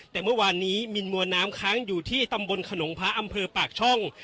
แต่เมื่อวานนี้มีมวลน้ำค้างอยู่ที่ตำบลขนงพระอำเภอปากช่อง